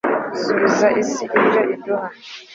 subiza isi ibyo iduha